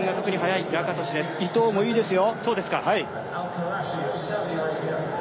伊藤もいいですよ。